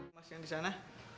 mas yang disana